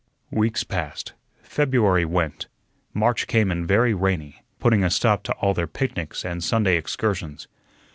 Weeks passed, February went, March came in very rainy, putting a stop to all their picnics and Sunday excursions.